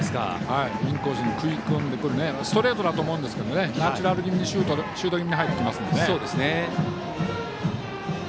インコースに食い込んでくるストレートだと思うんですけどシュート気味に入ってきますので。